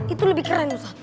itu lebih keren ustadz